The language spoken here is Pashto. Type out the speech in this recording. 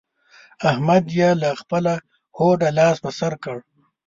احمد يې له خپله هوډه لاس پر سر کړ.